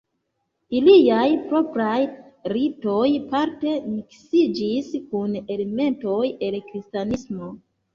Iliaj propraj ritoj parte miksiĝis kun elementoj el kristanismo.